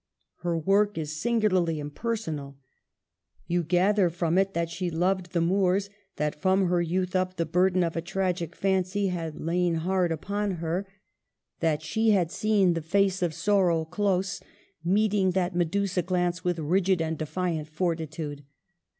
Her work is singularly im personal. You gather from it that she loved the moors, that from her youth up the burden of a tragic fancy had lain hard upon her ; that she 'SHIRLEY: 283 had seen the face of sorrow close, meeting that Medusa glance with rigid and defiant fortitude.